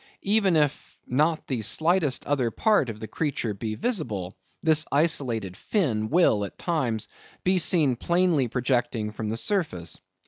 Even if not the slightest other part of the creature be visible, this isolated fin will, at times, be seen plainly projecting from the surface.